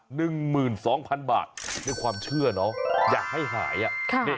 หนึ่งหมื่นสองพันบาทด้วยความเชื่อเนอะอยากให้หายอ่ะค่ะนี่